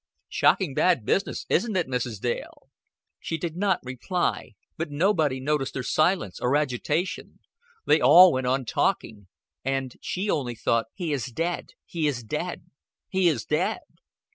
"Shocking bad business, isn't it, Mrs. Dale?" She did not reply; but nobody noticed her silence or agitation. They all went on talking; and she only thought: "He is dead. He is dead. He is dead."